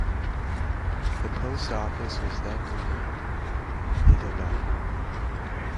The post office was then renamed Idabel.